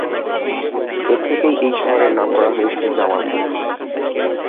এর থেকেই এই শহরের নাম করা হয়েছে জামালপুর।